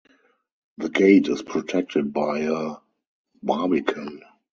The gate is protected by a barbican.